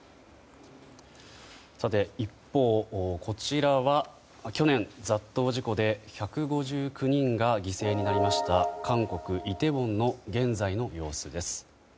一方、こちらは去年、雑踏事故で１５９人が犠牲になりました韓国イテウォンの現在の様子です。